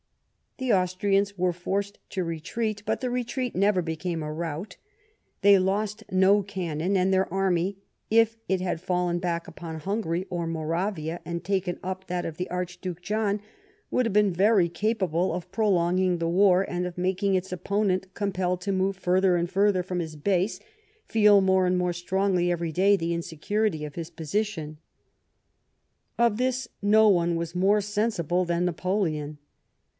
The Austrians were forced to retreat, but the retreat never became a rout ; they lost no cannon, and their army, if it had fallen back upon Hungary or Moravia, and taken up that of the Archduke John, would have been very capable of prolonging the war, and of making its opponent, compelled to move further and further from his base, feel more and more strongly every day the insecurity of his position. Of this no one was more sensible than Napoleon.